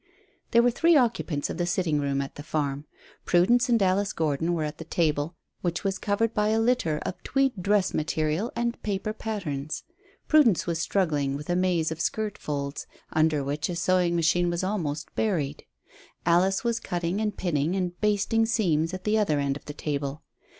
There were three occupants of the sitting room at the farm. Prudence and Alice Gordon were at the table, which was covered by a litter of tweed dress material and paper patterns. Prudence was struggling with a maze of skirt folds, under which a sewing machine was almost buried. Alice was cutting and pinning and basting seams at the other end of the table.